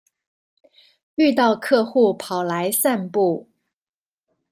遇到客戶跑來散步